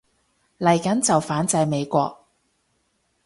嚟緊就反制美國